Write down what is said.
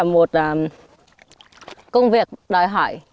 một công việc đòi hỏi